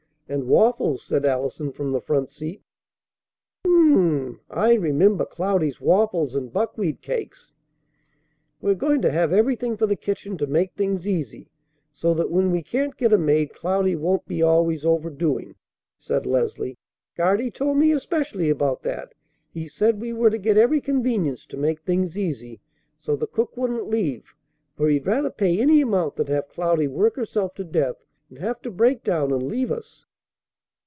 "And waffles!" said Allison from the front seat. "Um mmm mmmm! I remember Cloudy's waffles. And buckwheat cakes." "We're going to have everything for the kitchen to make things easy, so that when we can't get a maid Cloudy won't be always overdoing," said Leslie. "Guardy told me especially about that. He said we were to get every convenience to make things easy, so the cook wouldn't leave; for he'd rather pay any amount than have Cloudy work herself to death and have to break down and leave us."